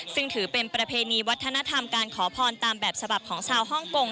ซึ่งถือเป็นประเพณีวัฒนธรรมการขอพรตามแบบฉบับของชาวฮ่องกง